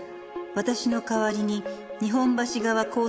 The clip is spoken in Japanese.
「私の代わりに日本橋川交差点